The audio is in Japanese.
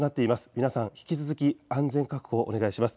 皆さん、引き続き安全確保をお願いします。